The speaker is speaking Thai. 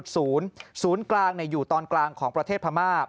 ศูนย์กลางอยู่ตอนกลางของประเทศพม่า